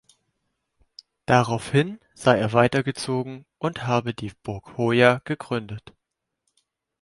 Daraufhin sei er weitergezogen und habe die Burg Hoya gegründet.